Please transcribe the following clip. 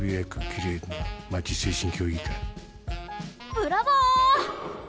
ブラボー！